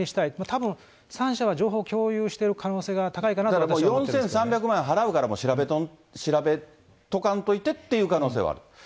たぶん、３社は情報を共有している可能性が高いかなと私は思ってるんですだからもう４３００万円は払うから、もう調べとかんといてっていう可能性はある。